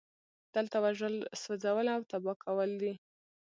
دلته وژل سوځول او تباه کول دي